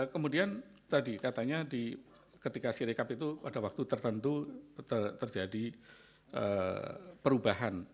kemudian tadi katanya ketika si rekap itu pada waktu tertentu terjadi perubahan